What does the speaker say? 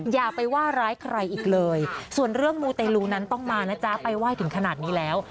อย่าไปว่าร้ายใครอีกเลยส่วนเรื่องมูเตลูนั้นต้องมานะจ๊ะไปไหว้ถึงขนาดนี้แล้ว